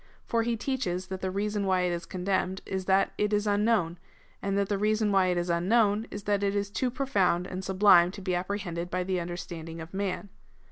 For he teaches that the reason why it is contemned is that it is unknown, and that the reason why it is unknown is that it is too profound and sublime to be apprehended by the understanding of man.